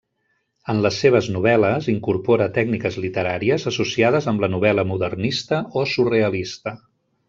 En les seves novel·les incorpora tècniques literàries associades amb la novel·la modernista o surrealista.